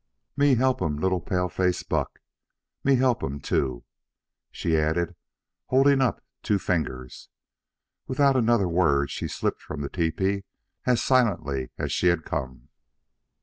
"Me help um little paleface buck. Me help um two," she added, holding up two fingers. Without another word, she slipped from the tepee as silently as she had come.